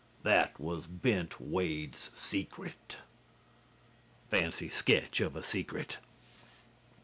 THAT WAS BENT WADE'S SECRET." (Fancy sketch of a secret.)